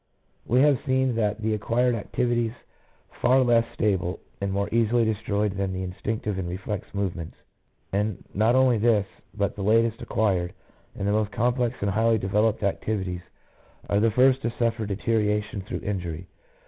107 We have seen that the acquired activities are far less stable and more easily destroyed than the instinctive and reflex movements ; and not only this, but the latest acquired, and the most complex and highly developed activities are the first to suffer deterioration through injury.